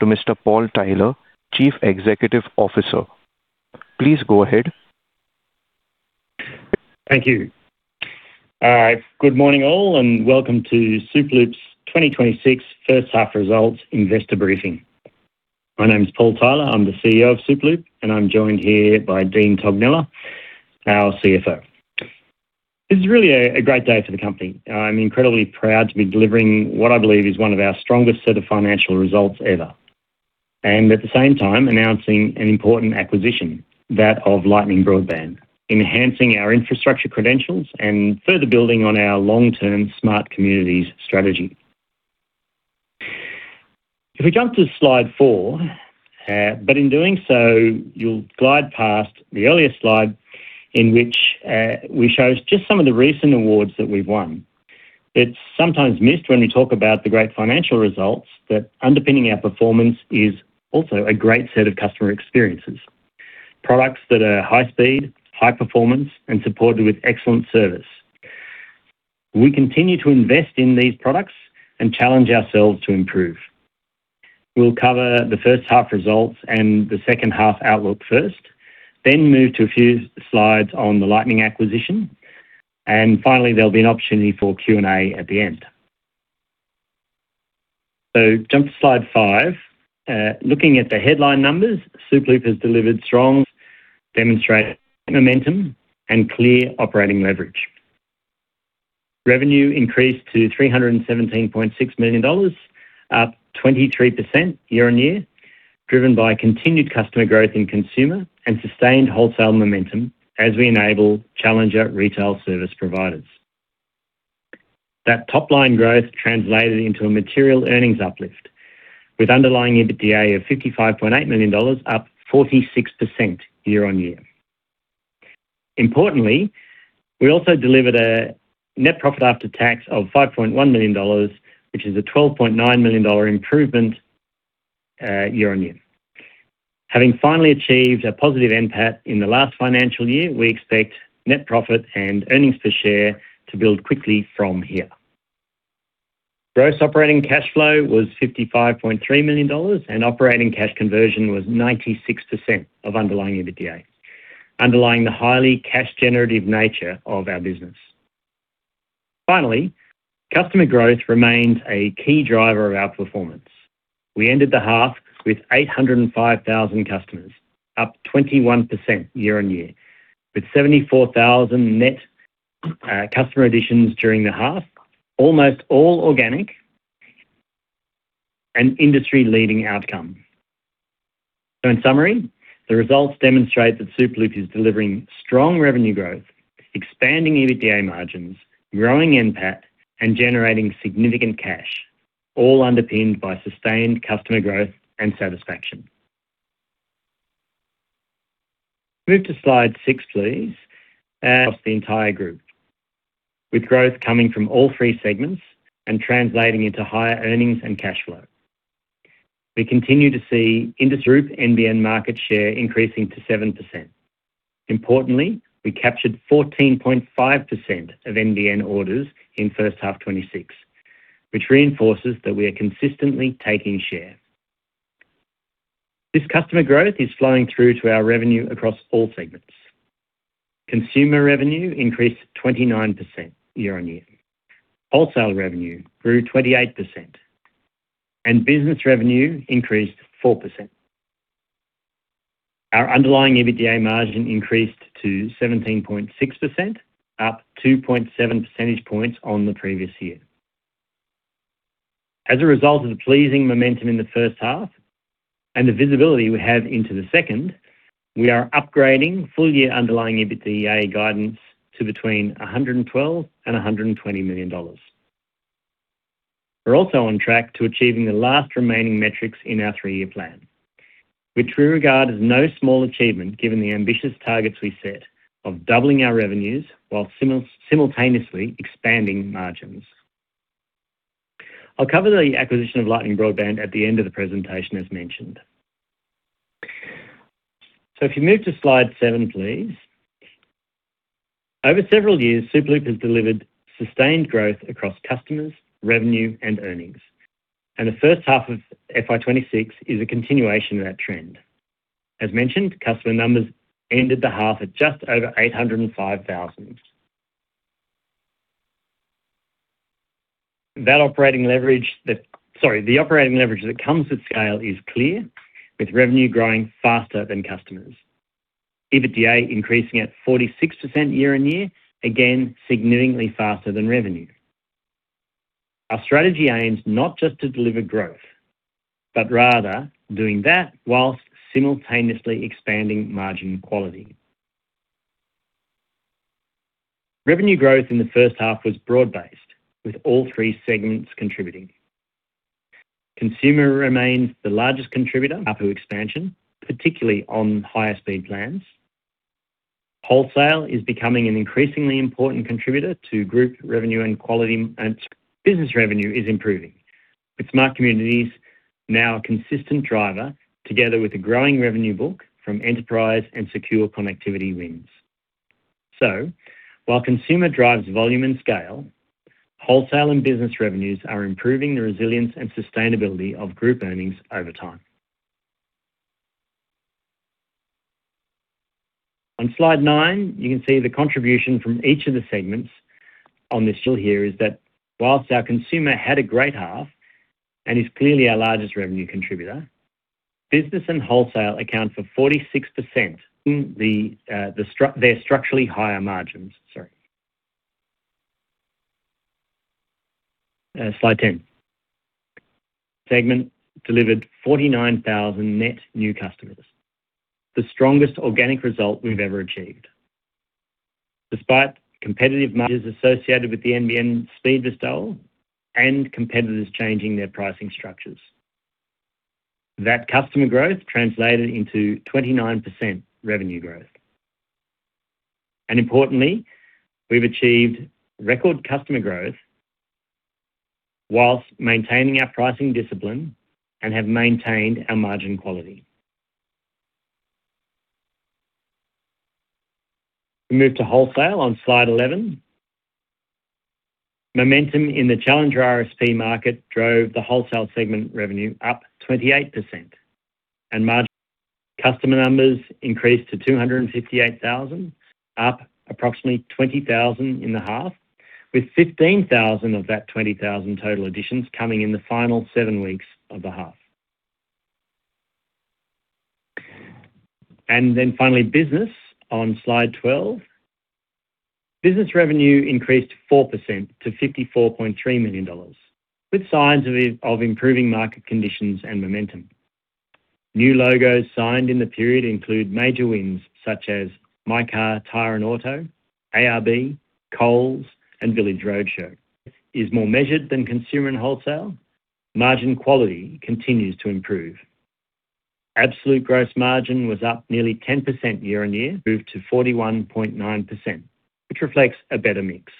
To Mr. Paul Tyler, Chief Executive Officer. Please go ahead. Thank you. Good morning, all, and welcome to Superloop's 2026 First Half results investor briefing. My name is Paul Tyler. I'm the CEO of Superloop, and I'm joined here by Dean Tognella, our CFO. This is really a great day for the company. I'm incredibly proud to be delivering what I believe is one of our strongest set of financial results ever, and at the same time, announcing an important acquisition, that of Lightning Broadband, enhancing our infrastructure credentials and further building on our long-term Smart Communities strategy. If we jump to Slide 4, but in doing so, you'll glide past the earlier slide in which we showed just some of the recent awards that we've won. It's sometimes missed when we talk about the great financial results, but underpinning our performance is also a great set of customer experiences. Products that are high speed, high performance, and supported with excellent service. We continue to invest in these products and challenge ourselves to improve. We'll cover the first half results and the second half outlook first, then move to a few slides on the Lightning acquisition, and finally, there'll be an opportunity for Q&A at the end. So jump to slide 5. Looking at the headline numbers, Superloop has delivered strong, demonstrated momentum, and clear operating leverage. Revenue increased to 317.6 million dollars, up 23% year-on-year, driven by continued customer growth in Consumer and sustained Wholesale momentum as we enable challenger retail service providers. That top-line growth translated into a material earnings uplift, with underlying EBITDA of 55.8 million dollars, up 46% year-on-year. Importantly, we also delivered a net profit after tax of 5.1 million dollars, which is a 12.9 million dollar improvement year-on-year. Having finally achieved a positive NPAT in the last financial year, we expect net profit and earnings per share to build quickly from here. Gross operating cash flow was 55.3 million dollars, and operating cash conversion was 96% of underlying EBITDA, underlying the highly cash generative nature of our Business. Finally, customer growth remains a key driver of our performance. We ended the half with 805,000 customers, up 21% year-on-year, with 74,000 net customer additions during the half, almost all organic and industry-leading outcome. So in summary, the results demonstrate that Superloop is delivering strong revenue growth, expanding EBITDA margins, growing NPAT, and generating significant cash, all underpinned by sustained customer growth and satisfaction. Move to slide 6, please. Across the entire group, with growth coming from all three segments and translating into higher earnings and cash flow. We continue to see our NBN market share increasing to 7%. Importantly, we captured 14.5% of NBN orders in first half 2026, which reinforces that we are consistently taking share. This customer growth is flowing through to our revenue across all segments. Consumer revenue increased 29% year-on-year. Wholesale revenue grew 28%, and Business revenue increased 4%. Our underlying EBITDA margin increased to 17.6%, up 2.7 percentage points on the previous year. As a result of the pleasing momentum in the first half and the visibility we have into the second, we are upgrading full-year underlying EBITDA guidance to between 112 million and 120 million dollars. We're also on track to achieving the last remaining metrics in our three-year plan, which we regard as no small achievement, given the ambitious targets we set of doubling our revenues while simultaneously expanding margins. I'll cover the acquisition of Lightning Broadband at the end of the presentation, as mentioned. So if you move to slide 7, please. Over several years, Superloop has delivered sustained growth across customers, revenue, and earnings, and the first half of FY 2026 is a continuation of that trend. As mentioned, customer numbers ended the half at just over 805,000. That operating leverage that comes with scale is clear, with revenue growing faster than customers. EBITDA increasing at 46% year-on-year, again, significantly faster than revenue. Our strategy aims not just to deliver growth, but rather doing that whilst simultaneously expanding margin quality. Revenue growth in the first half was broad-based, with all three segments contributing. Consumer remains the largest contributor up to expansion, particularly on higher speed plans. Wholesale is becoming an increasingly important contributor to group revenue and quality, and Business revenue is improving, with Smart Communities now a consistent driver together with a growing revenue book from enterprise and secure connectivity wins. So while Consumer drives volume and scale, Wholesale and Business revenues are improving the resilience and sustainability of group earnings over time. On slide 9, you can see the contribution from each of the segments. On this show here is that whilst our Consumer had a great half and is clearly our largest revenue contributor, Business and Wholesale account for 46% in the structure they're structurally higher margins. Sorry. Slide 10. Segment delivered 49,000 net new customers, the strongest organic result we've ever achieved. Despite competitive measures associated with the NBN speed install and competitors changing their pricing structures, that customer growth translated into 29% revenue growth. Importantly, we've achieved record customer growth whilst maintaining our pricing discipline and have maintained our margin quality. We move to Wholesale on slide 11. Momentum in the Challenger ISP market drove the Wholesale segment revenue up 28%, and margin customer numbers increased to 258,000, up approximately 20,000 in the half, with 15,000 of that 20,000 total additions coming in the final 7 weeks of the half. Then finally, Business on slide 12. Business revenue increased 4% to 54.3 million dollars, with signs of improving market conditions and momentum. New logos signed in the period include major wins such as mycar Tyre & Auto, ARB, Coles, and Village Roadshow. Is more measured than Consumer and Wholesale. Margin quality continues to improve. Absolute gross margin was up nearly 10% year-on-year, improved to 41.9%, which reflects a better mix.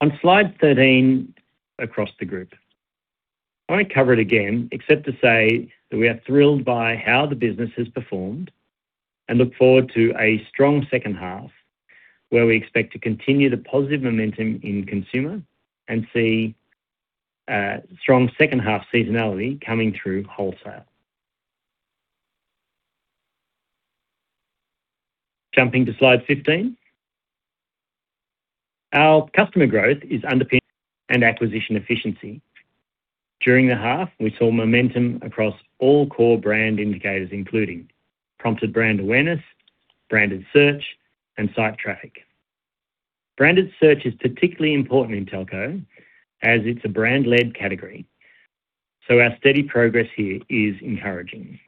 On slide 13, across the group. I won't cover it again, except to say that we are thrilled by how the Business has performed and look forward to a strong second half, where we expect to continue the positive momentum in Consumer and see, strong second half seasonality coming through Wholesale. Jumping to slide 15. Our customer growth is underpinned and acquisition efficiency. During the half, we saw momentum across all core brand indicators, including prompted brand awareness, branded search, and site traffic. Branded search is particularly important in telco as it's a brand-led category, so our steady progress here is encouraging.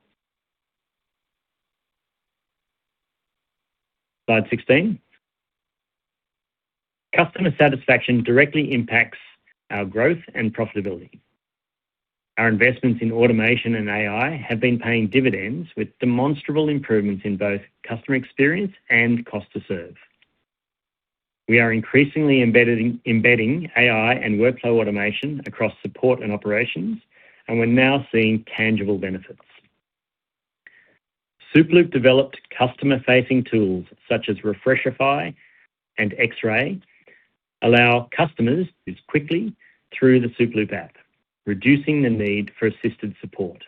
Slide 16. Customer satisfaction directly impacts our growth and profitability. Our investments in automation and AI have been paying dividends, with demonstrable improvements in both customer experience and cost to serve. We are increasingly embedding AI and workflow automation across support and operations, and we're now seeing tangible benefits. Superloop developed customer-facing tools such as Refreshify and X-Ray, allow customers as quickly through the Superloop app, reducing the need for assisted support.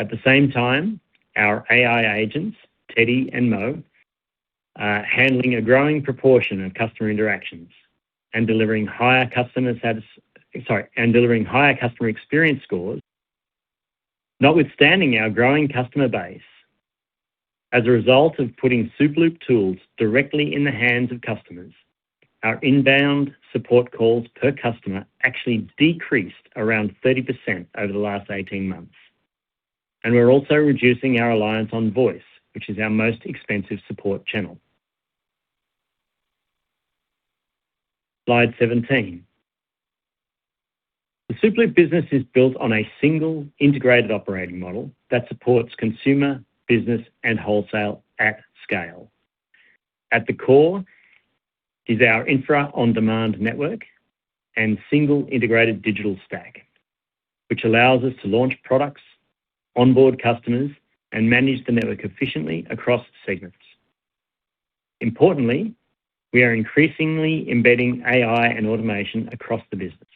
At the same time, our AI agents, Teddy and Mo, are handling a growing proportion of customer interactions and delivering higher customer experience scores. Notwithstanding our growing customer base, as a result of putting Superloop tools directly in the hands of customers, our inbound support calls per customer actually decreased around 30% over the last 18 months, and we're also reducing our reliance on voice, which is our most expensive support channel. Slide 17. The Superloop business is built on a single integrated operating model that supports Consumer, Business, and Wholesale at scale. At the core is our Infra-on-Demand network and single integrated digital stack, which allows us to launch products, onboard customers, and manage the network efficiently across segments. Importantly, we are increasingly embedding AI and automation across the business,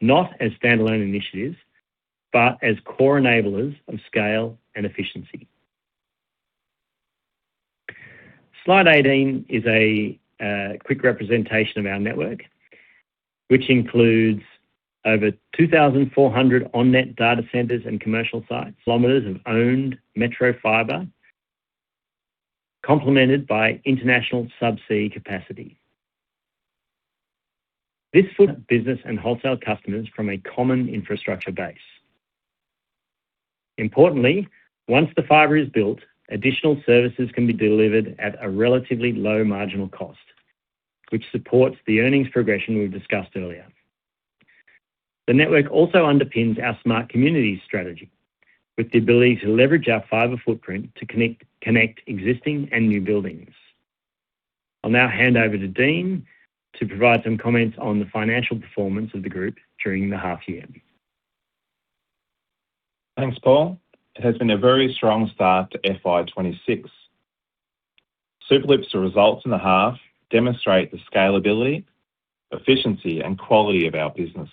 not as standalone initiatives, but as core enablers of scale and efficiency. Slide 18 is a quick representation of our network, which includes over 2,400 on-net data centers and commercial sites, kilometers of owned metro fiber, complemented by international subsea capacity. This footprint serves business and Wholesale customers from a common infrastructure base. Importantly, once the fiber is built, additional services can be delivered at a relatively low marginal cost, which supports the earnings progression we've discussed earlier. The network also underpins our smart community strategy with the ability to leverage our fiber footprint to connect existing and new buildings. I'll now hand over to Dean to provide some comments on the financial performance of the group during the half year. Thanks, Paul. It has been a very strong start to FY 2026. Superloop's results in the half demonstrate the scalability, efficiency, and quality of our business.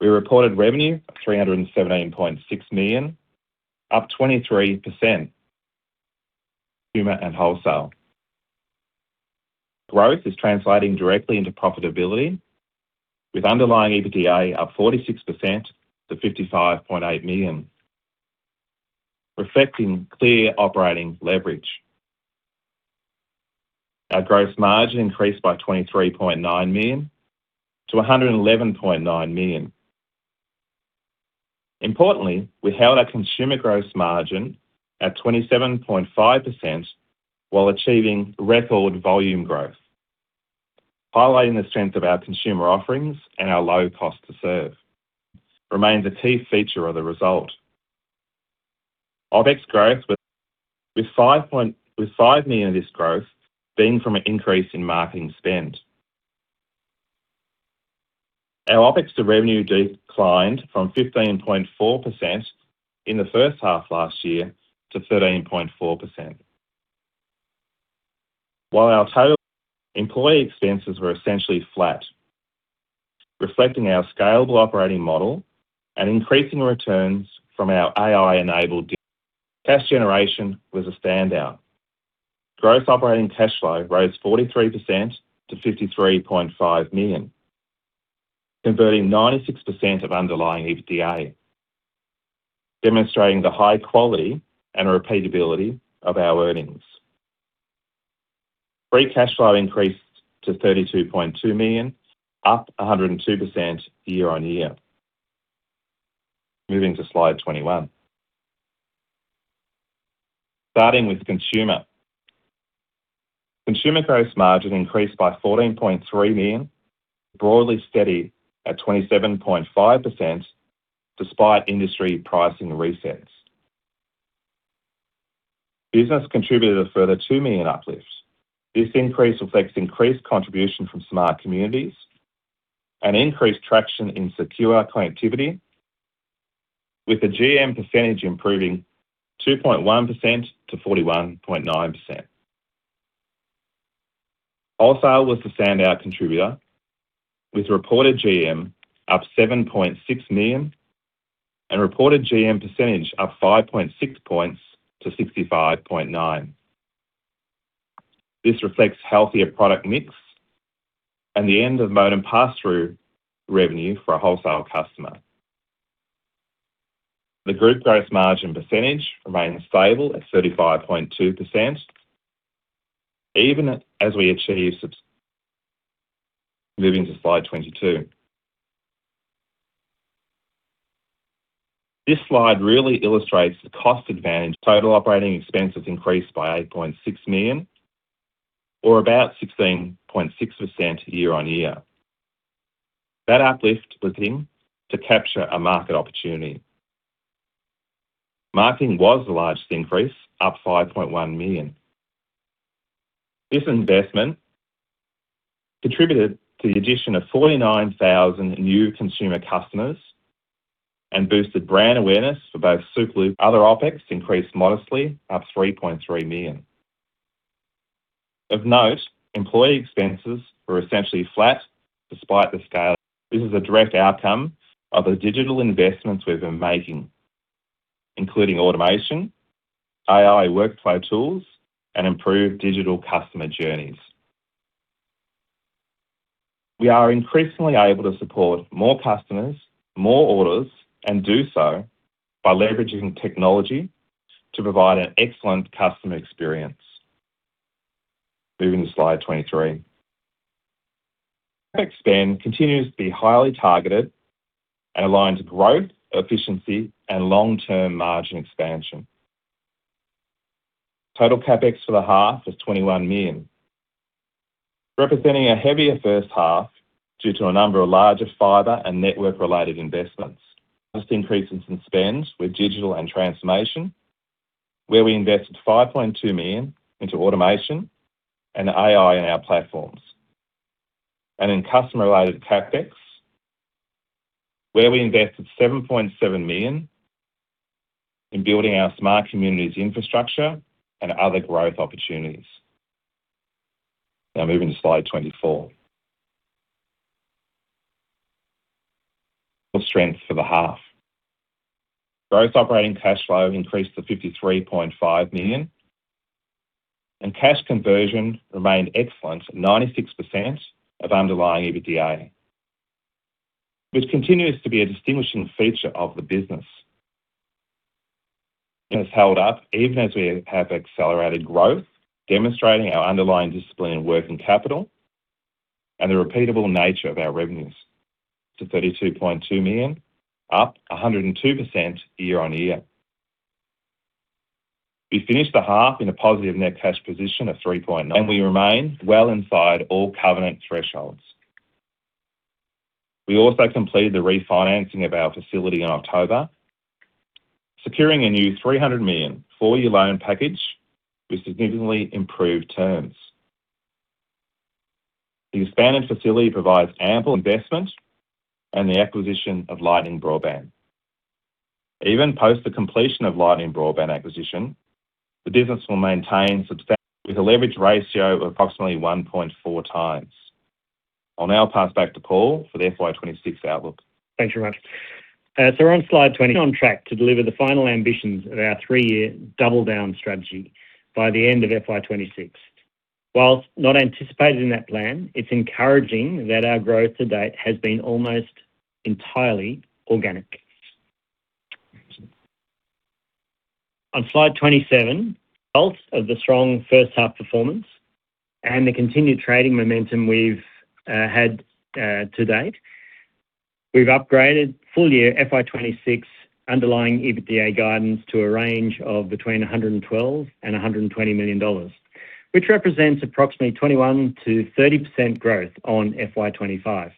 We reported revenue of 317.6 million, up 23%, Consumer and Wholesale. Growth is translating directly into profitability, with underlying EBITDA up 46% to 55.8 million, reflecting clear operating leverage. Our gross margin increased by 23.9 million to 111.9 million. Importantly, we held our Consumer gross margin at 27.5% while achieving record volume growth. Highlighting the strength of our Consumer offerings and our low cost to serve remains a key feature of the result. OpEx growth with 5 million of this growth being from an increase in marketing spend. Our OpEx to revenue declined from 15.4% in the first half last year to 13.4%. While our total employee expenses were essentially flat, reflecting our scalable operating model and increasing returns from our AI-enabled. Cash generation was a standout. Gross operating cash flow rose 43% to 53.5 million, converting 96% of underlying EBITDA, demonstrating the high quality and repeatability of our earnings. Free cash flow increased to 32.2 million, up 102% year-on-year. Moving to slide 21. Starting with Consumer. Consumer gross margin increased by 14.3 million, broadly steady at 27.5% despite industry pricing resets. Business contributed a further 2 million uplift. This increase reflects increased contribution from Smart Communities and increased traction in secure connectivity, with the GM percentage improving 2.1%-41.9%. Wholesale was the standout contributor, with reported GM up 7.6 million and reported GM percentage up 5.6 points to 65.9%. This reflects healthier product mix and the end of modem pass-through revenue for a Wholesale customer. The group gross margin percentage remains stable at 35.2%, even as we achieve. Moving to slide 22. This slide really illustrates the cost advantage. Total operating expenses increased by 8.6 million or about 16.6% year-on-year. That uplift was in to capture a market opportunity. Marketing was the largest increase, up 5.1 million. This investment contributed to the addition of 49,000 new Consumer customers and boosted brand awareness for both Superloop. Other OpEx increased modestly, up 3.3 million. Of note, employee expenses were essentially flat despite the scale. This is a direct outcome of the digital investments we've been making, including automation, AI workflow tools, and improved digital customer journeys. We are increasingly able to support more customers, more orders, and do so by leveraging technology to provide an excellent customer experience. Moving to slide 23. OpEx spend continues to be highly targeted and aligned to growth, efficiency, and long-term margin expansion. Total CapEx for the half is 21 million, representing a heavier first half due to a number of larger fiber and network-related investments. This increases in spend with digital and transformation, where we invested 5.2 million into automation and AI in our platforms, and in customer-related CapEx, where we invested 7.7 million in building our Smart Communities infrastructure and other growth opportunities. Now, moving to slide 24. Good strength for the half. Gross operating cash flow increased to 53.5 million, and cash conversion remained excellent at 96% of underlying EBITDA, which continues to be a distinguishing feature of the business. It has held up even as we have accelerated growth, demonstrating our underlying discipline in working capital and the repeatable nature of our revenues to 32.2 million, up 102% year-on-year. We finished the half in a positive net cash position of 3.9 million, and we remain well inside all covenant thresholds. We also completed the refinancing of our facility in October, securing a new 300 million four-year loan package with significantly improved terms. The expanded facility provides ample investment and the acquisition of Lightning Broadband. Even post the completion of Lightning Broadband acquisition, the Business will maintain substantial, with a leverage ratio of approximately 1.4x. I'll now pass back to Paul for the FY 2026 outlook. Thanks very much. So we're on slide 20, on track to deliver the final ambitions of our 3-year Double Down strategy by the end of FY 2026. While not anticipated in that plan, it's encouraging that our growth to date has been almost entirely organic. On slide 27, based on the strong first half performance and the continued trading momentum we've had to date, we've upgraded full year FY 2026 underlying EBITDA guidance to a range of between 112 million and 120 million dollars, which represents approximately 21%-30% growth on FY 2025.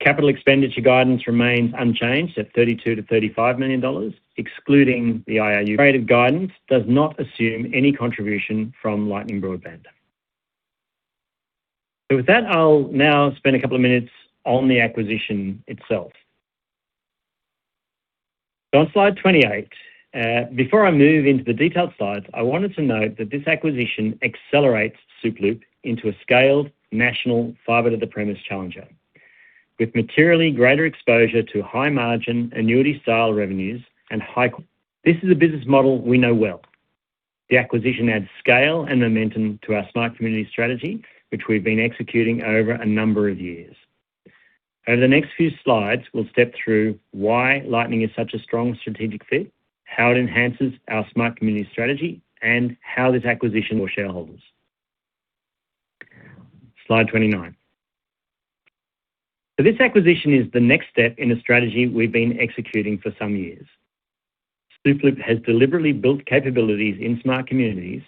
Capital expenditure guidance remains unchanged at 32 million-35 million dollars, excluding the IRU. CapEx guidance does not assume any contribution from Lightning Broadband. So with that, I'll now spend a couple of minutes on the acquisition itself. On slide 28, before I move into the detailed slides, I wanted to note that this acquisition accelerates Superloop into a scaled national fiber to the premises challenger, with materially greater exposure to high margin, annuity style revenues. This is a business model we know well. The acquisition adds scale and momentum to our Smart Community strategy, which we've been executing over a number of years. Over the next few slides, we'll step through why Lightning is such a strong strategic fit, how it enhances our Smart Community strategy, and how this acquisition for shareholders. Slide 29. So this acquisition is the next step in a strategy we've been executing for some years. Superloop has deliberately built capabilities in Smart Communities,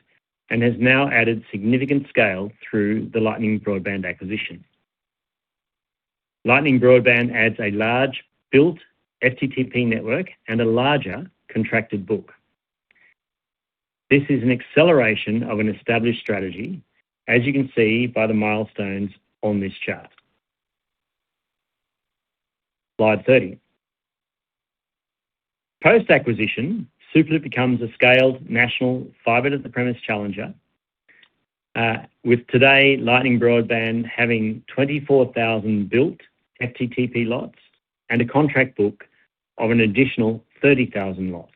and has now added significant scale through the Lightning Broadband acquisition. Lightning Broadband adds a large built FTTP network and a larger contracted book. This is an acceleration of an established strategy, as you can see by the milestones on this chart. Slide 30. Post-acquisition, Superloop becomes a scaled national fiber to the premise challenger, with today, Lightning Broadband having 24,000 built FTTP lots and a contract book of an additional 30,000 lots.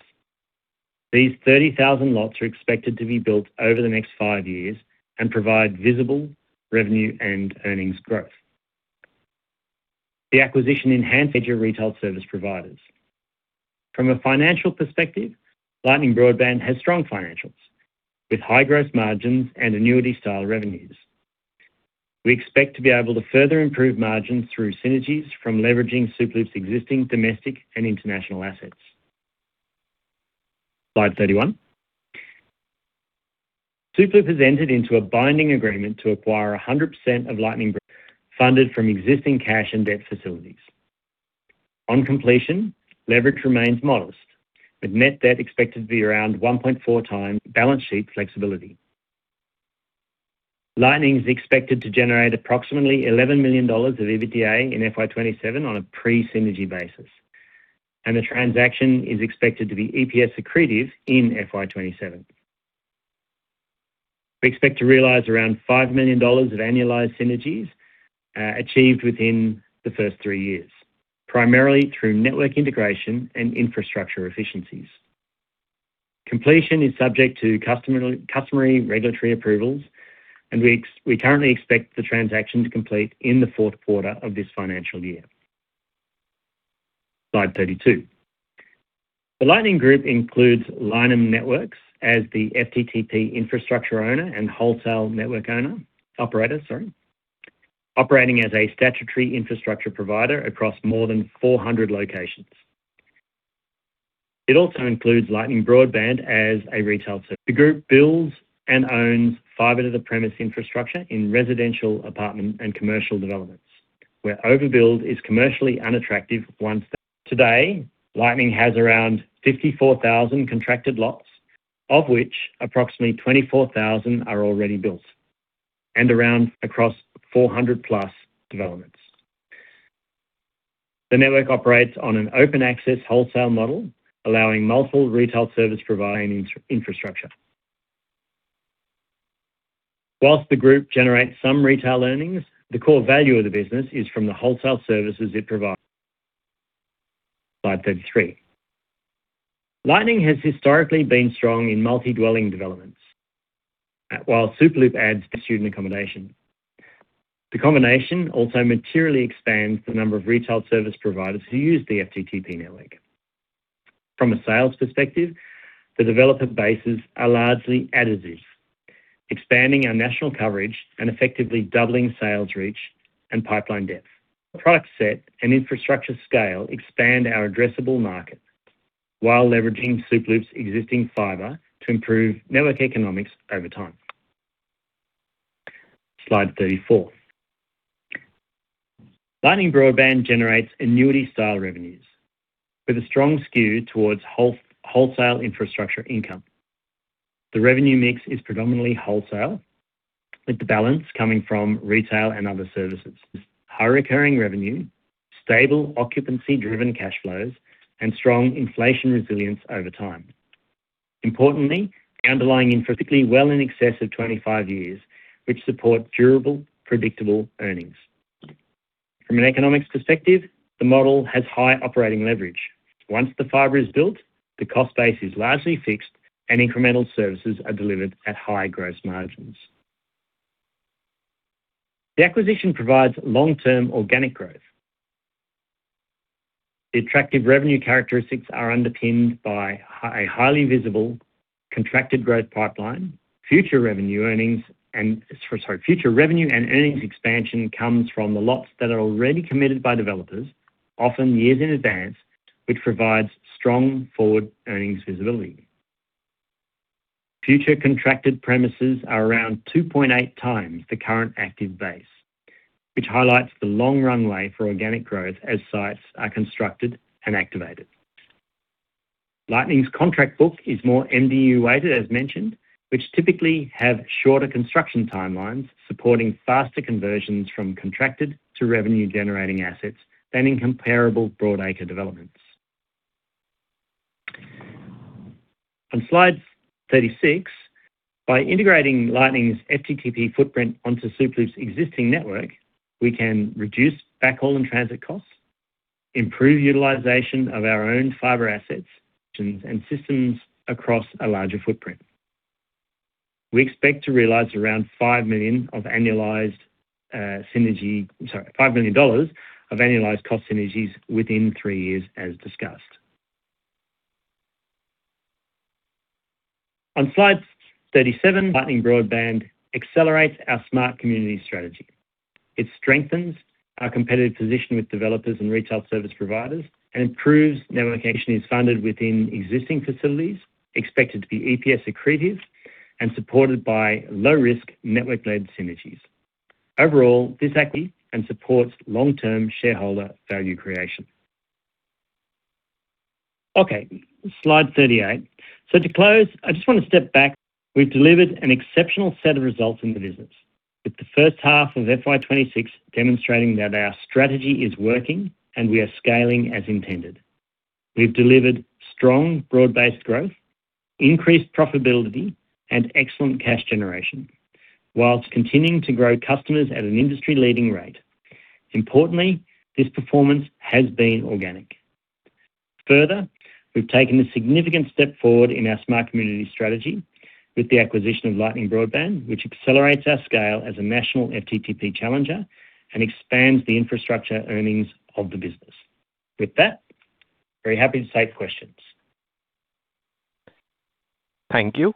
These 30,000 lots are expected to be built over the next five years and provide visible revenue and earnings growth. The acquisition enhances your retail service providers. From a financial perspective, Lightning Broadband has strong financials with high gross margins and annuity-style revenues. We expect to be able to further improve margins through synergies from leveraging Superloop's existing domestic and international assets. Slide 31. Superloop has entered into a binding agreement to acquire 100% of Lightning, funded from existing cash and debt facilities. On completion, leverage remains modest, with net debt expected to be around 1.4x balance sheet flexibility. Lightning is expected to generate approximately 11 million dollars of EBITDA in FY 2027 on a pre-synergy basis. And the transaction is expected to be EPS accretive in FY 2027. We expect to realize around 5 million dollars of annualized synergies, achieved within the first three years, primarily through network integration and infrastructure efficiencies. Completion is subject to customary regulatory approvals, and we currently expect the transaction to complete in the fourth quarter of this financial year. Slide 32. The Lightning Group includes Lynham Networks as the FTTP infrastructure owner and Wholesale network owner-operator, sorry, operating as a Statutory Infrastructure Provider across more than 400 locations. It also includes Lightning Broadband as a retail service. The group builds and owns fiber to the premise infrastructure in residential, apartment, and commercial developments, where overbuild is commercially unattractive once. Today, Lightning has around 54,000 contracted lots, of which approximately 24,000 are already built and around, across 400+ developments. The network operates on an open access Wholesale model, allowing multiple retail service providing in- infrastructure. While the group generates some retail earnings, the core value of the business is from the Wholesale services it provides. Slide 33. Lightning has historically been strong in multi-dwelling developments, while Superloop adds student accommodation. The combination also materially expands the number of retail service providers who use the FTTP network. From a sales perspective, the development bases are largely additive, expanding our national coverage and effectively doubling sales reach and pipeline depth. Product set and infrastructure scale expand our addressable market. While leveraging Superloop's existing fiber to improve network economics over time. Slide 34. Lightning Broadband generates annuity-style revenues with a strong skew towards Wholesale infrastructure income. The revenue mix is predominantly Wholesale, with the balance coming from retail and other services. High recurring revenue, stable occupancy-driven cash flows, and strong inflation resilience over time. Importantly, underlying intrinsically well in excess of 25 years, which support durable, predictable earnings. From an economics perspective, the model has high operating leverage. Once the fiber is built, the cost base is largely fixed, and incremental services are delivered at high gross margins. The acquisition provides long-term organic growth. The attractive revenue characteristics are underpinned by a highly visible contracted growth pipeline, future revenue and earnings expansion comes from the lots that are already committed by developers, often years in advance, which provides strong forward earnings visibility. Future contracted premises are around 2.8x the current active base, which highlights the long runway for organic growth as sites are constructed and activated. Lightning's contract book is more MDU-weighted, as mentioned, which typically have shorter construction timelines, supporting faster conversions from contracted to revenue-generating assets than in comparable broad acre developments. On slide 36, by integrating Lightning's FTTP footprint onto Superloop's existing network, we can reduce backhaul and transit costs, improve utilization of our own fiber assets, and systems across a larger footprint. We expect to realize around 5 million of annualized cost synergies within 3 years, as discussed. On slide 37, Lightning Broadband accelerates our smart community strategy. It strengthens our competitive position with developers and retail service providers and improves network iteration is funded within existing facilities, expected to be EPS accretive, and supported by low-risk network-led synergies. Overall, this equity and supports long-term shareholder value creation. Okay, slide 38. So to close, I just wanna step back. We've delivered an exceptional set of results in the business, with the first half of FY 2026 demonstrating that our strategy is working and we are scaling as intended. We've delivered strong broad-based growth, increased profitability, and excellent cash generation, whilst continuing to grow customers at an industry-leading rate. Importantly, this performance has been organic. Further, we've taken a significant step forward in our smart community strategy with the acquisition of Lightning Broadband, which accelerates our scale as a national FTTP challenger and expands the infrastructure earnings of the business. With that, very happy to take questions. Thank you.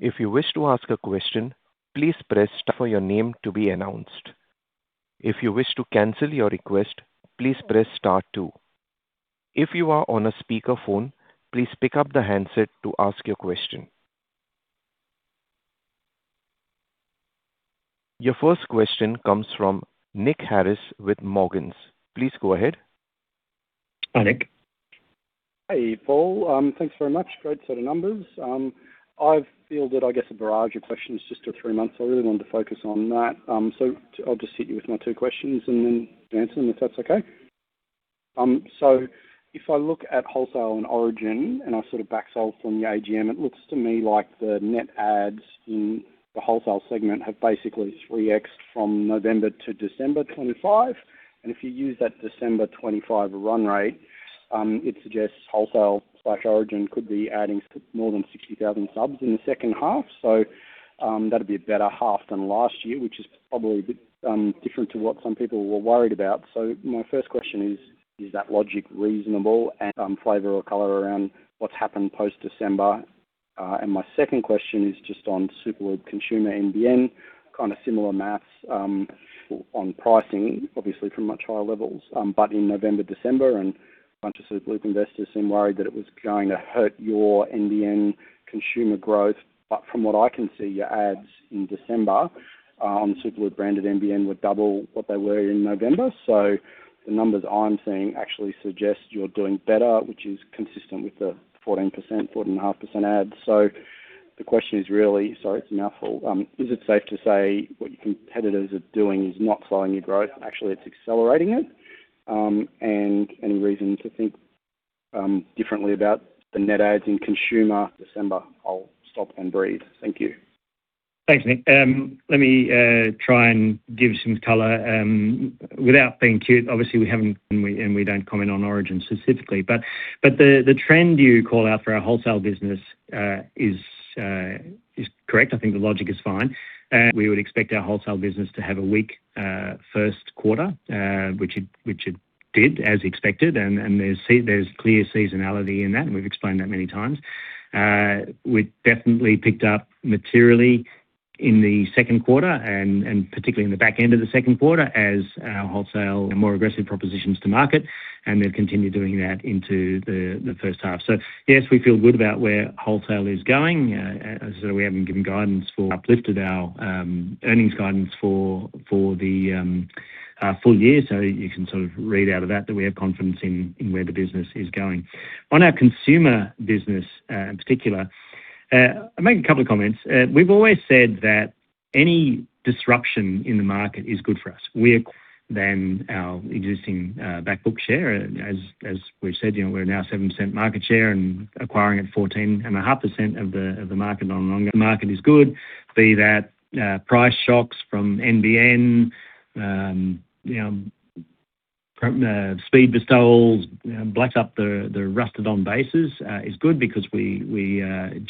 If you wish to ask a question, please press star for your name to be announced. If you wish to cancel your request, please press star two. If you are on a speakerphone, please pick up the handset to ask your question. Your first question comes from Nick Harris with Morgans. Please go ahead. Hi, Nick. Hey, Paul. Thanks very much. Great set of numbers. I've fielded, I guess, a barrage of questions just for three months. I really wanted to focus on that. So I'll just hit you with my two questions and then answer them, if that's okay. So if I look at Wholesale and Origin, and I sort of backsolve from the AGM, it looks to me like the net adds in the Wholesale segment have basically 3x from November to December 2025. And if you use that December 2025 run rate, it suggests Wholesale/Origin could be adding more than 60,000 subs in the second half. So that'd be a better half than last year, which is probably a bit different to what some people were worried about. So my first question is: Is that logic reasonable and flavor or color around what's happened post-December? And my second question is just on Superloop Consumer NBN. Kinda similar math, on pricing, obviously from much higher levels, but in November, December, and a bunch of Superloop investors seemed worried that it was going to hurt your NBN Consumer growth. But from what I can see, your adds in December, on Superloop-branded NBN were double what they were in November. So the numbers I'm seeing actually suggest you're doing better, which is consistent with the 14%, 14.5% add. So the question is really, sorry, it's a mouthful, is it safe to say what your competitors are doing is not slowing your growth? Actually, it's accelerating it. Any reason to think differently about the net adds in Consumer December? I'll stop and breathe. Thank you. Thanks, Nick. Let me try and give some color without being cute. Obviously, we haven't, and we, and we don't comment on Origin specifically, but, but the, the trend you call out for our Wholesale business, is, is correct. I think the logic is fine. We would expect our Wholesale business to have a weak first quarter, which it, which it did as expected, and, and there's there's clear seasonality in that, and we've explained that many times. We definitely picked up materially in the second quarter, and, and particularly in the back end of the second quarter, as our Wholesale and more aggressive propositions to market, and we've continued doing that into the, the first half. So yes, we feel good about where Wholesale is going. As I said, we haven't given guidance for uplifted our earnings guidance for the full year. So you can sort of read out of that that we have confidence in where the business is going. On our Consumer business in particular, I'll make a couple of comments. We've always said that any disruption in the market is good for us. We are than our existing back book share. As we've said, you know, we're now 7% market share and acquiring at 14.5% of the market on an ongoing market is good. Be that price shocks from NBN, you know, free speed installs, breaks up the rusted-on bases is good because we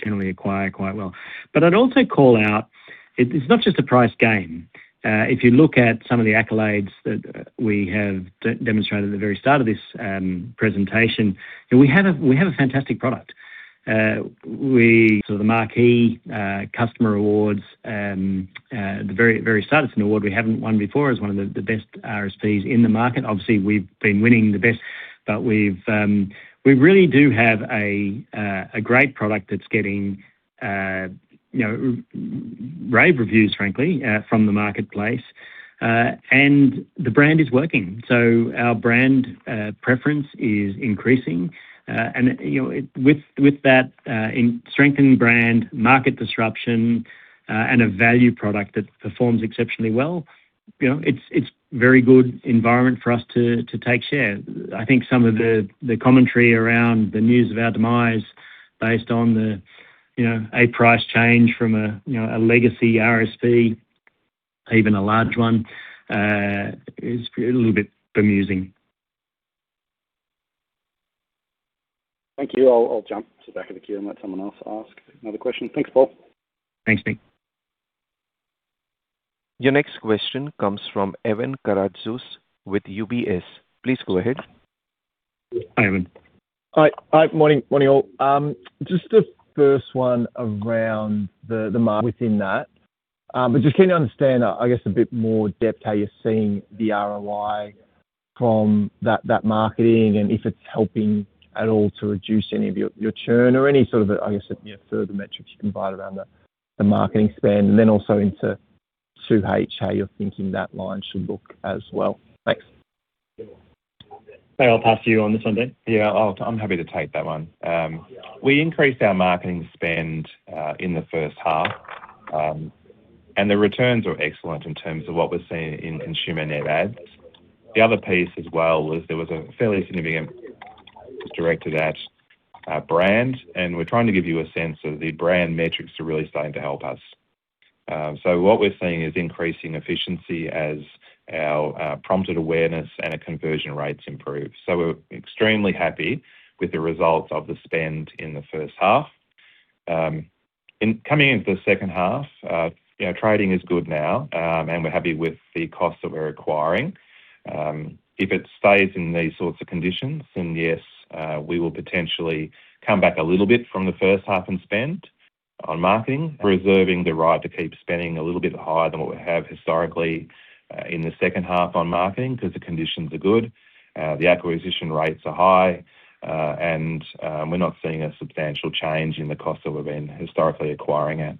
generally acquire quite well. But I'd also call out, it's not just a price game. If you look at some of the accolades that we have demonstrated at the very start of this presentation, and we have a fantastic product. So the Marquee customer awards, the very starting award we haven't won before, is one of the best RSPs in the market. Obviously, we've been winning the best, but we've, we really do have a great product that's getting, you know, rave reviews, frankly, from the marketplace, and the brand is working. So our brand preference is increasing, and, you know, with that, in strengthening brand, market disruption, and a value product that performs exceptionally well, you know, it's very good environment for us to take share. I think some of the commentary around the news of our demise, based on the, you know, a price change from a, you know, a legacy RSP, even a large one, is a little bit bemusing. Thank you. I'll, I'll jump to the back of the queue and let someone else ask another question. Thanks, Paul. Thanks, Nick. Your next question comes from Evan Karatzas with UBS. Please go ahead. Hi, Evan. Hi. Hi. Morning. Morning, all. Just the first one around the marketing within that. But just can you understand, I guess, a bit more depth, how you're seeing the ROI from that, that marketing, and if it's helping at all to reduce any of your churn or any sort of, I guess, yeah, further metrics you can provide around the marketing spend? And then also into 2H, how you're thinking that line should look as well. Thanks. I'll pass to you on this one, Dean. Yeah, I'm happy to take that one. We increased our marketing spend in the first half, and the returns are excellent in terms of what we're seeing in Consumer net ads. The other piece as well was there was a fairly significant directed at our brand, and we're trying to give you a sense of the brand metrics are really starting to help us. So what we're seeing is increasing efficiency as our prompted awareness and conversion rates improve. So we're extremely happy with the results of the spend in the first half. And coming into the second half, you know, trading is good now, and we're happy with the costs that we're acquiring. If it stays in these sorts of conditions, then, yes, we will potentially come back a little bit from the first half and spend on marketing, reserving the right to keep spending a little bit higher than what we have historically in the second half on marketing, 'cause the conditions are good, the acquisition rates are high, and we're not seeing a substantial change in the costs that we've been historically acquiring at.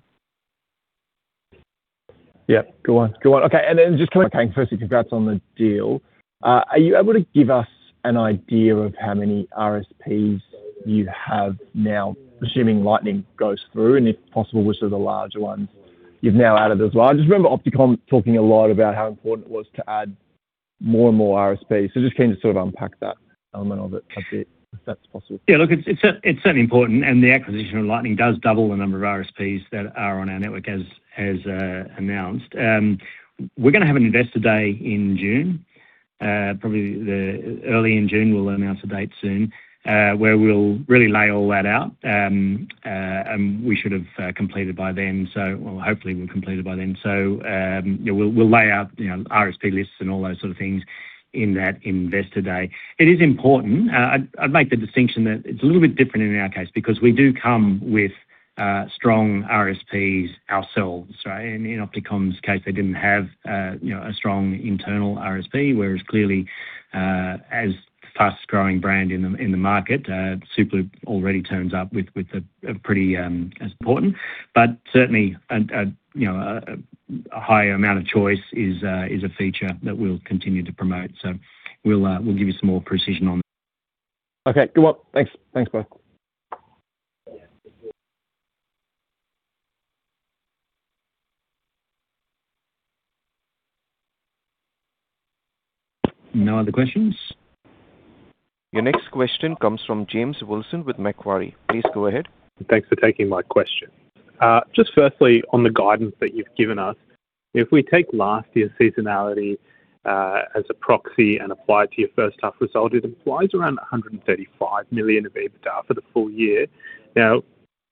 Yeah. Good one. Good one. Okay, and then just coming, firstly, congrats on the deal. Are you able to give us an idea of how many RSPs you have now, assuming Lightning goes through, and if possible, which are the larger ones you've now added as well? I just remember Opticomm talking a lot about how important it was to add more and more RSPs. So just keen to sort of unpack that element of it a bit, if that's possible. Yeah, look, it's certainly important, and the acquisition of Lightning does double the number of RSPs that are on our network as announced. We're gonna have an investor day in June, probably early in June, we'll announce a date soon, where we'll really lay all that out. And we should have completed by then, so. Well, hopefully, we'll complete it by then. So yeah, we'll lay out, you know, RSP lists and all those sort of things in that investor day. It is important. I'd make the distinction that it's a little bit different in our case, because we do come with strong RSPs ourselves, right? In Opticomm's case, they didn't have, you know, a strong internal RSP, whereas clearly, as fast-growing brand in the market, Superloop already turns up with a pretty important. But certainly, you know, a higher amount of choice is a feature that we'll continue to promote. So we'll give you some more precision on that. Okay, good one. Thanks. Thanks, Paul. No other questions? Your next question comes from James Wilson with Macquarie. Please go ahead. Thanks for taking my question. Just firstly, on the guidance that you've given us, if we take last year's seasonality as a proxy and apply it to your first half result, it implies around 135 million of EBITDA for the full year. Now,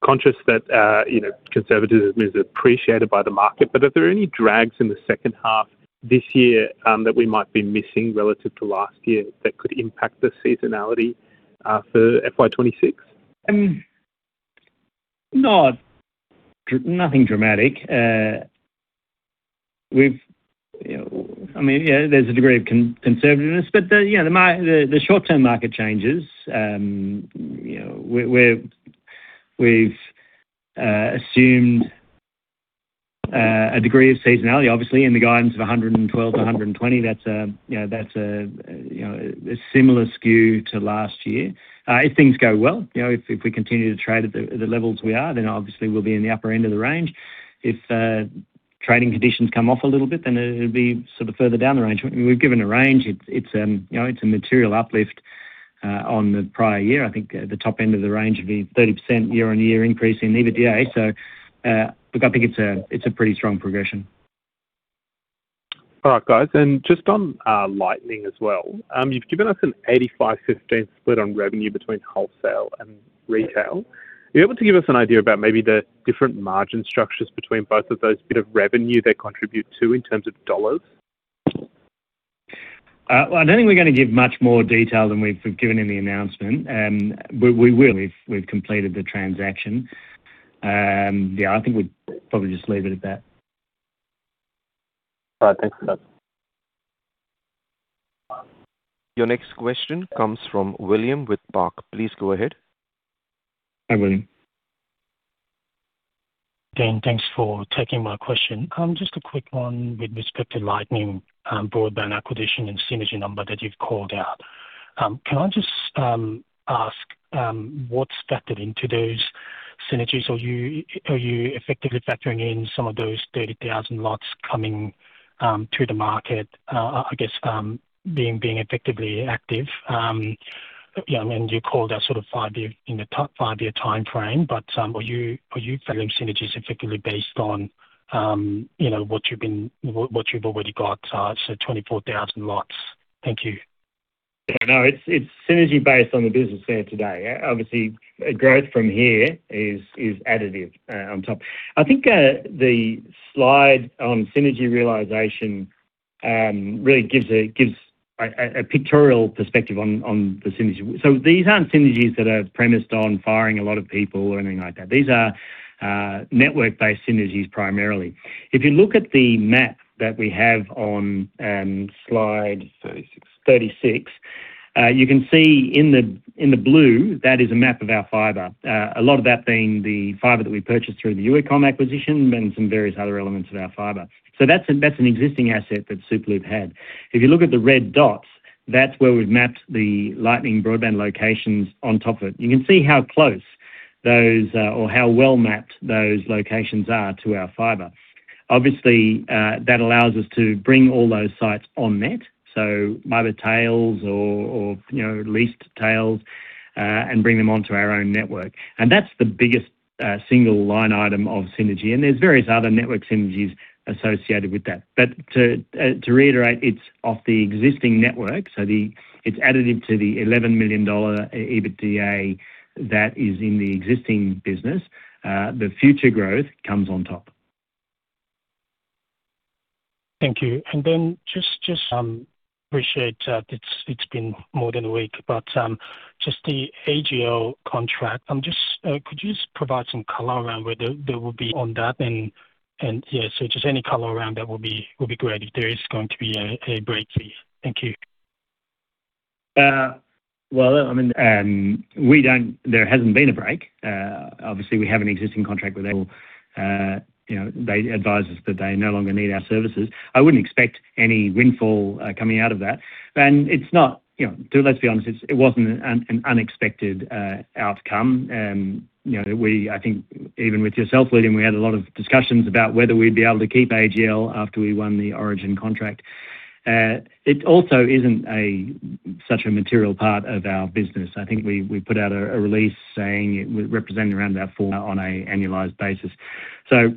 conscious that you know, conservatism is appreciated by the market, but are there any drags in the second half this year that we might be missing relative to last year, that could impact the seasonality for FY 2026? Nothing dramatic. We've, you know, I mean, yeah, there's a degree of conservatism, but the, you know, the short-term market changes, you know, we've assumed a degree of seasonality, obviously, in the guidance of 112-120. That's, you know, that's a, you know, a similar skew to last year. If things go well, you know, if, if we continue to trade at the, at the levels we are, then obviously we'll be in the upper end of the range. If trading conditions come off a little bit, then it'll be sort of further down the range. We've given a range. It's, it's, you know, it's a material uplift on the prior year. I think, the top end of the range will be 30% year-on-year increase in EBITDA. So, look, I think it's a pretty strong progression. All right, guys, and just on, Lightning as well. You've given us an 85-15 split on revenue between Wholesale and Retail. Are you able to give us an idea about maybe the different margin structures between both of those bit of revenue they contribute to in terms of dollars? Well, I don't think we're gonna give much more detail than we've given in the announcement, and we will if we've completed the transaction. Yeah, I think we'd probably just leave it at that. All right. Thanks for that. Your next question comes from William Park. Please go ahead. Hi, William. Dean, thanks for taking my question. Just a quick one with respect to Lightning Broadband acquisition and synergy number that you've called out. Can I just ask what's factored into those synergies? Are you effectively factoring in some of those 30,000 lots coming to the market? I guess being effectively active, you know, and you called out sort of 5-year, in the top 5-year timeframe, but are you factoring synergies effectively based on, you know, what you've already got, so 24,000 lots? Thank you. No, it's synergy based on the business there today. Obviously, growth from here is additive on top. I think the slide on synergy realization really gives a pictorial perspective on the synergy. So these aren't synergies that are premised on firing a lot of people or anything like that. These are network-based synergies, primarily. If you look at the map that we have on slide- 36. 36, you can see in the, in the blue, that is a map of our fiber. A lot of that being the fiber that we purchased through the Uecomm acquisition, and some various other elements of our fiber. So that's an, that's an existing asset that Superloop had. If you look at the red dots, that's where we've mapped the Lightning Broadband locations on top of it. You can see how close those, or how well-mapped those locations are to our fiber. Obviously, that allows us to bring all those sites on net, so fiber tails or, or, you know, leased tails, and bring them onto our own network. And that's the biggest, single line item of synergy, and there's various other network synergies associated with that. But to, to reiterate, it's off the existing network, so the... It's additive to the 11 million dollar EBITDA that is in the existing business. The future growth comes on top. Thank you. And then, just, just appreciate it's been more than a week, but just the AGL contract. Just, could you just provide some color around whether there will be on that and, and, yeah, so just any color around that will be, will be great if there is going to be a breakthrough. Thank you. Well, I mean, we don't. There hasn't been a break. Obviously, we have an existing contract with AGL. You know, they advised us that they no longer need our services. I wouldn't expect any windfall coming out of that. And it's not, you know. Let's be honest, it wasn't an unexpected outcome. You know, we, I think even with yourself, William, we had a lot of discussions about whether we'd be able to keep AGL after we won the Origin contract. It also isn't such a material part of our business. I think we put out a release saying it represented around about 4% on an annualized basis. So,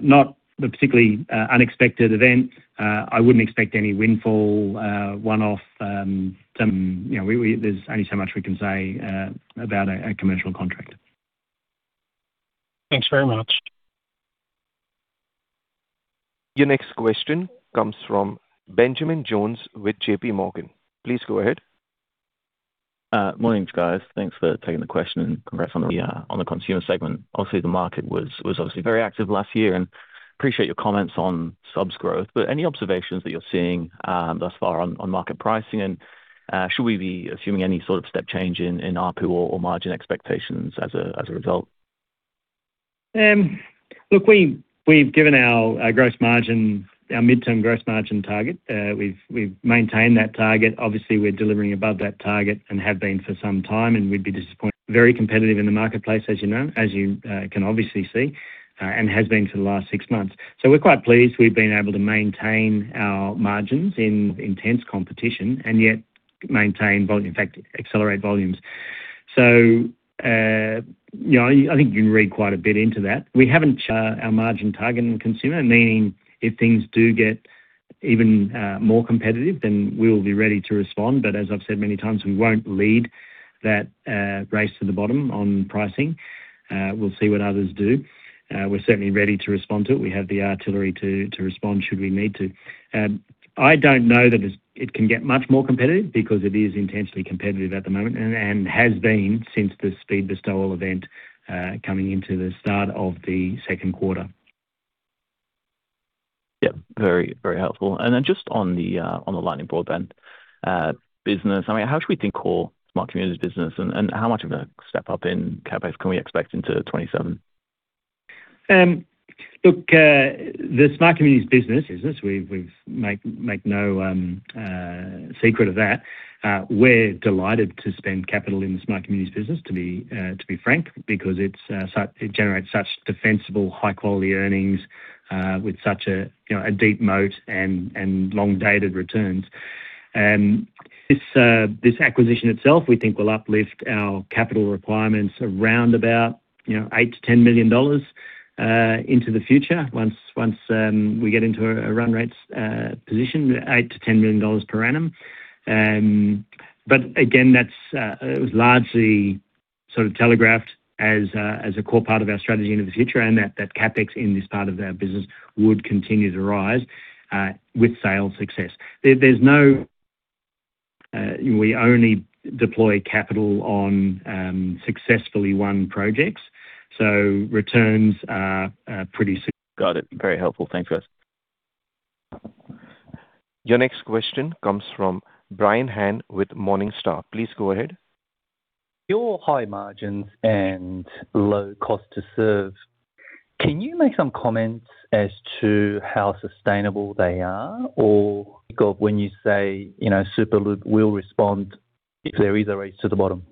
not a particularly unexpected event. I wouldn't expect any windfall one-off, some, you know, there's only so much we can say about a commercial contract. Thanks very much. Your next question comes from Benjamin Jones with JPMorgan. Please go ahead. Morning, guys. Thanks for taking the question and congrats on the Consumer segment. Obviously, the market was obviously very active last year and appreciate your comments on subs growth. But any observations that you're seeing thus far on market pricing, and should we be assuming any sort of step change in ARPU or margin expectations as a result? Look, we've given our gross margin, our midterm gross margin target. We've maintained that target. Obviously, we're delivering above that target and have been for some time, and we'd be disappointed. Very competitive in the marketplace, as you know, as you can obviously see, and has been for the last six months. So we're quite pleased we've been able to maintain our margins in intense competition and yet maintain volume, in fact, accelerate volumes. So, you know, I think you can read quite a bit into that. We haven't our margin target in Consumer, meaning if things do get even more competitive, then we will be ready to respond. But as I've said many times, we won't lead that race to the bottom on pricing. We'll see what others do. We're certainly ready to respond to it. We have the artillery to respond should we need to. I don't know that it can get much more competitive because it is intensely competitive at the moment and has been since the speed boost event, coming into the start of the second quarter. Yep, very, very helpful. Then just on the Lightning Broadband business, I mean, how should we think of Smart Communities business and how much of a step up in CapEx can we expect into 2027? Look, the Smart Communities business we've made no secret of that. We're delighted to spend capital in the Smart Communities business, to be frank, because it's such it generates such defensible, high-quality earnings with such a, you know, a deep moat and long-dated returns. And this acquisition itself, we think will uplift our capital requirements around about, you know, 8 million-10 million dollars into the future once we get into a run rates position, 8 million-10 million dollars per annum. But again, that's it was largely sort of telegraphed as a core part of our strategy into the future, and that CapEx in this part of our business would continue to rise with sales success. There's no... We only deploy capital on successfully won projects, so returns are pretty secure. Got it. Very helpful. Thanks, guys. Your next question comes from Brian Han with Morningstar. Please go ahead. Your high margins and low cost to serve, can you make some comments as to how sustainable they are? Or, God, when you say, you know, Superloop will respond if there is a race to the bottom.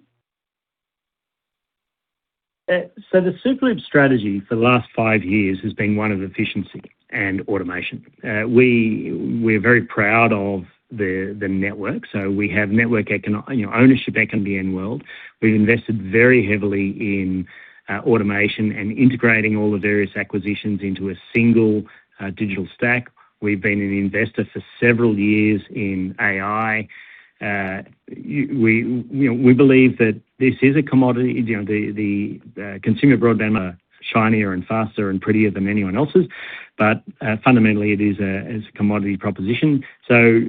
So the Superloop strategy for the last five years has been one of Efficiency and Automation. We're very proud of the network. So we have network econ, you know, ownership back in the end world. We've invested very heavily in Automation and integrating all the various acquisitions into a single digital stack. We've been an investor for several years in AI. We, you know, we believe that this is a commodity. You know, the Consumer broadband are shinier and faster and prettier than anyone else's, but fundamentally it is a, it's a commodity proposition. So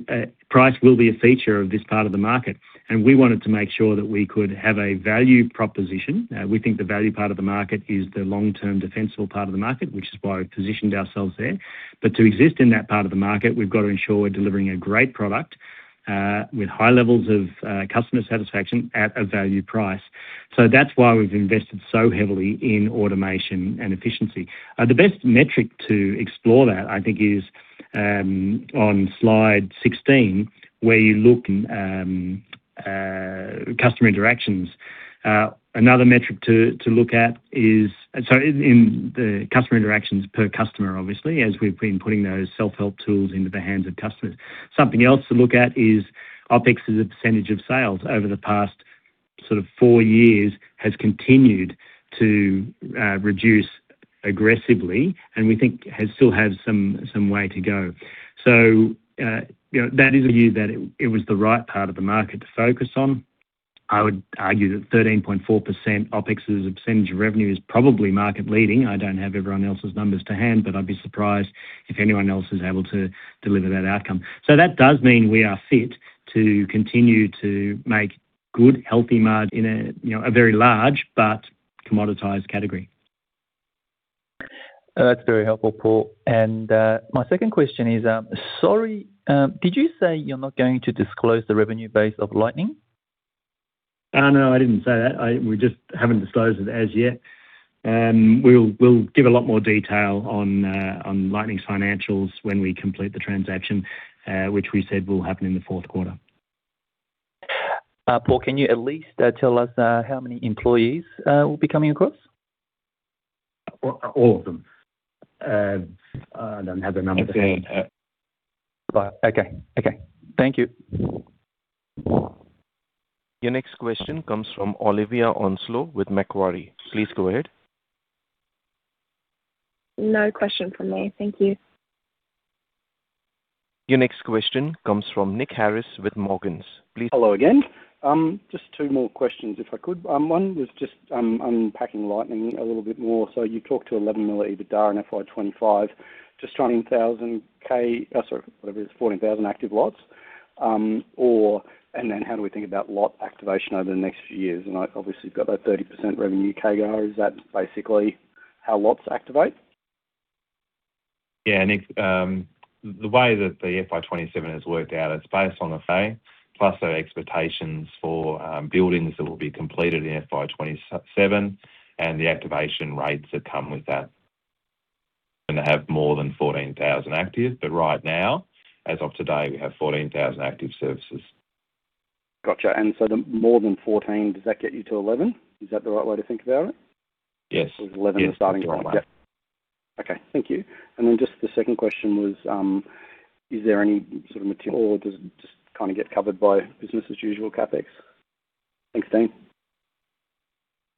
price will be a feature of this part of the market, and we wanted to make sure that we could have a value proposition. We think the value part of the market is the long-term defensible part of the market, which is why we've positioned ourselves there. But to exist in that part of the market, we've got to ensure we're delivering a great product with high levels of customer satisfaction at a value price. So that's why we've invested so heavily in automation and efficiency. The best metric to explore that, I think, is on slide 16, where you look at customer interactions. Another metric to look at is. Sorry, in the customer interactions per customer, obviously, as we've been putting those self-help tools into the hands of customers. Something else to look at is OpEx as a percentage of sales over the past sort of four years, has continued to reduce aggressively, and we think has still some way to go. So, you know, that is a view that it was the right part of the market to focus on. I would argue that 13.4% OpEx as a percentage of revenue is probably market leading. I don't have everyone else's numbers to hand, but I'd be surprised if anyone else is able to deliver that outcome. So that does mean we are fit to continue to make good, healthy margin in a, you know, a very large but commoditized category. That's very helpful, Paul. And, my second question is, sorry, did you say you're not going to disclose the revenue base of Lightning? No, I didn't say that. We just haven't disclosed it as yet. We'll give a lot more detail on Lightning's financials when we complete the transaction, which we said will happen in the fourth quarter. Paul, can you at least tell us how many employees will be coming across? Well, all of them. I don't have the numbers. Okay. Bye. Okay, okay. Thank you. Your next question comes from Olivia Onslow with Macquarie. Please go ahead. No question from me. Thank you. Your next question comes from Nick Harris with Morgans. Please- Hello again. Just two more questions, if I could. One was just, unpacking Lightning a little bit more. So you talked to 11 million EBITDA in FY 2025, just 20,000k, sorry, whatever it is, 14,000 active lots. Or and then how do we think about lot activation over the next few years? And I've obviously got that 30% revenue CAGR. Is that basically how lots activate? Yeah, Nick, the way that the FY 2027 has worked out, it's based on the FA, plus our expectations for buildings that will be completed in FY 2027 and the activation rates that come with that. And they have more than 14,000 active, but right now, as of today, we have 14,000 active services. Gotcha. And so the more than 14, does that get you to 11? Is that the right way to think about it? Yes. 11 is the starting point. Yeah. Okay, thank you. And then just the second question was, is there any sort of material or does it just kinda get covered by business as usual, CapEx? Thanks, Dean.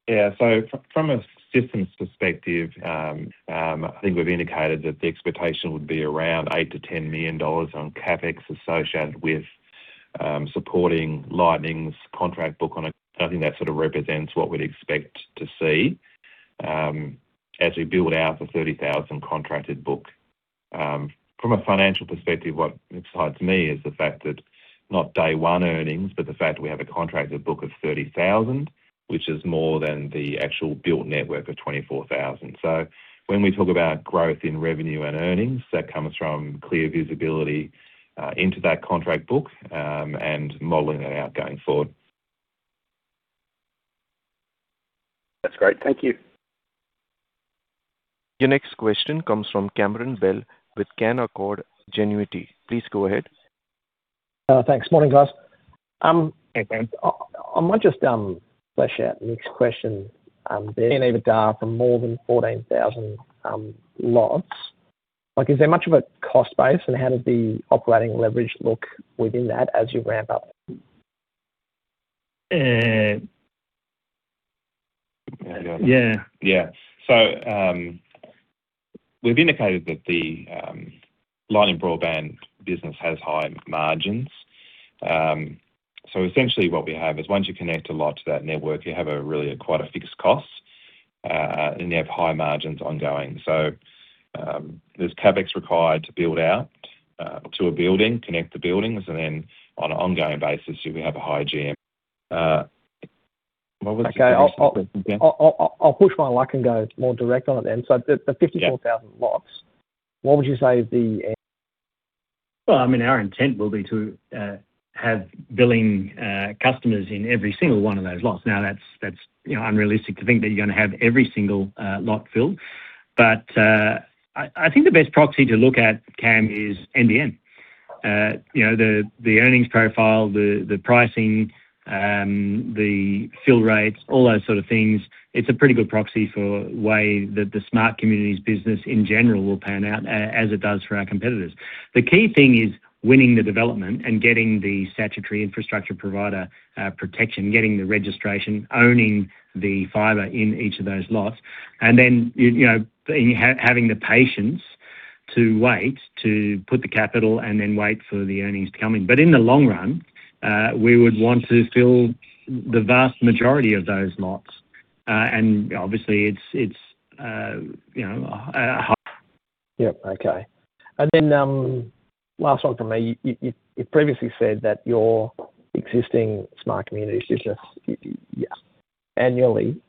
Yeah. So from a systems perspective, I think we've indicated that the expectation would be around 8 million dollars-1AUD 0 million on CapEx associated with supporting Lightning's contract book. I think that sort of represents what we'd expect to see, as we build out the 30,000 contracted book. From a financial perspective, what excites me is the fact that not day one earnings, but the fact we have a contracted book of 30,000, which is more than the actual built network of 24,000. So when we talk about growth in revenue and earnings, that comes from clear visibility into that contract book, and modeling that out going forward. That's great. Thank you. Your next question comes from Cameron Bell with Canaccord Genuity. Please go ahead. Thanks. Morning, guys. Okay, I might just flesh out Nick's question, the EBITDA from more than 14,000 lots. Like, is there much of a cost base, and how does the operating leverage look within that as you ramp up? Yeah. Yeah. So, we've indicated that the Lightning Broadband business has high margins. So, essentially what we have is once you connect a lot to that network, you have a really quite a fixed cost, and you have high margins ongoing. So, there's CapEx required to build out to a building, connect the buildings, and then on an ongoing basis, you have a high GM. What was the question again? I'll push my luck and go more direct on it then. So the- Yeah. The 54,000 lots, what would you say is the- Well, I mean, our intent will be to have billing customers in every single one of those lots. Now, that's, that's, you know, unrealistic to think that you're gonna have every single lot filled. But, I think the best proxy to look at, Cam, is NBN. You know, the earnings profile, the pricing, the fill rates, all those sort of things. It's a pretty good proxy for way that the Smart Communities business in general will pan out as it does for our competitors. The key thing is winning the development and getting the Statutory Infrastructure Provider protection, getting the registration, owning the fiber in each of those lots, and then, you know, and having the patience to wait, to put the capital and then wait for the earnings to come in. But in the long run, we would want to fill the vast majority of those lots. And obviously, it's, you know, hard. Yep, okay. And then, last one from me. You previously said that your existing Smart Communities business, yes, annually,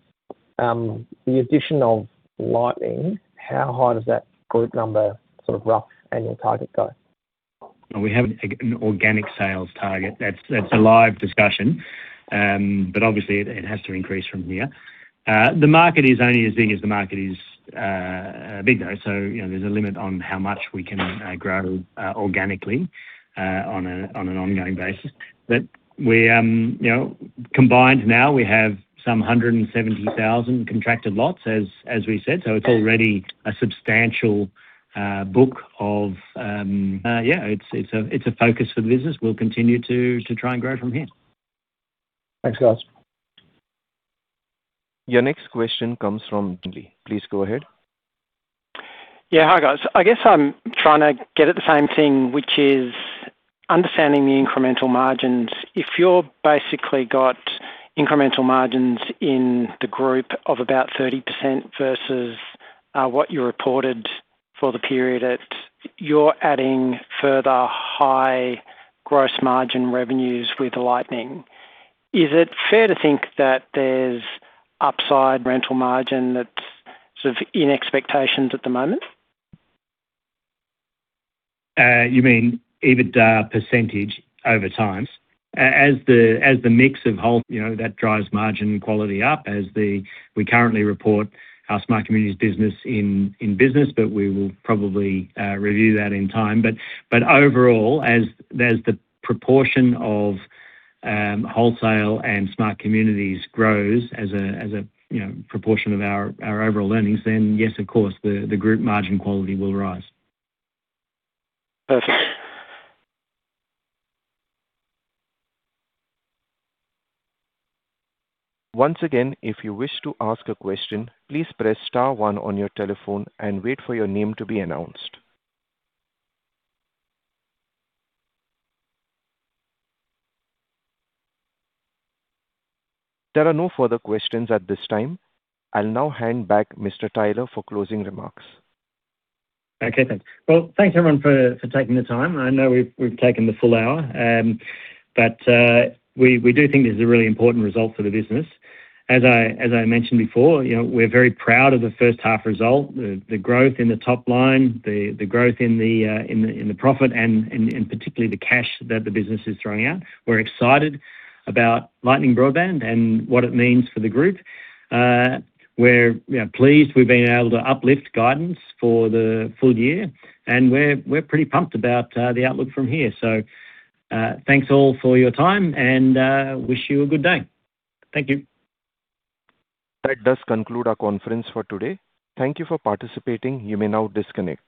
the addition of Lightning, how high does that group number, sort of rough annual target go? We have an organic sales target. That's a live discussion, but obviously it has to increase from here. The market is only as big as the market is big, though. So, you know, there's a limit on how much we can grow organically on an ongoing basis. But we, you know, combined now, we have some 170,000 contracted lots, as we said, so it's already a substantial book of, yeah, it's a focus for the business. We'll continue to try and grow from here. Thanks, guys. Your next question comes from Jimmy. Please go ahead. Yeah. Hi, guys. I guess I'm trying to get at the same thing, which is understanding the incremental margins. If you're basically got incremental margins in the group of about 30% versus what you reported for the period at you're adding further high gross margin revenues with Lightning. Is it fair to think that there's upside retail margin that's sort of in expectations at the moment? You mean EBITDA percentage over time? As the, as the mix of Wholesale, you know, that drives margin quality up as the, we currently report our Smart Communities business in, in Business, but we will probably review that in time. But overall, as the proportion of Wholesale and Smart Communities grows as a, as a, you know, proportion of our, our overall earnings, then yes, of course, the group margin quality will rise. Perfect. Once again, if you wish to ask a question, please press star one on your telephone and wait for your name to be announced. There are no further questions at this time. I'll now hand back Mr. Tyler, for closing remarks. Okay, thanks. Well, thanks, everyone, for taking the time. I know we've taken the full hour, but we do think this is a really important result for the business. As I mentioned before, you know, we're very proud of the first half result, the growth in the top line, the growth in the profit, and particularly the cash that the business is throwing out. We're excited about Lightning Broadband and what it means for the group. We're, you know, pleased we've been able to uplift guidance for the full year, and we're pretty pumped about the outlook from here. So, thanks all for your time, and wish you a good day. Thank you. That does conclude our conference for today. Thank you for participating. You may now disconnect.